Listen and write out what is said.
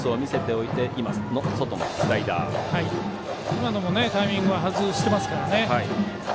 今のもタイミングは外しています。